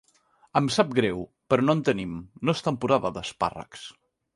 Em sap greu, però no en tenim, no és temporada d'espàrrecs.